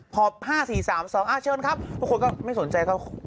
พอ๕๔๓๒เชิญครับทุกคนก็ไม่สนใจเขา